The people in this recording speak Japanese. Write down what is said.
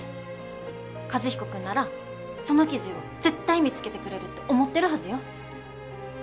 和彦君ならその記事を絶対見つけてくれるって思ってるはずよ。